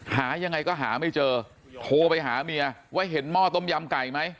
หายังไงก็หาไม่เจอโทรไปหาเมียว่าเห็นหม้อต้มยำไก่ไหม